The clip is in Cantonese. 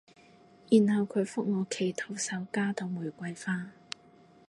然後佢覆我祈禱手加朵玫瑰花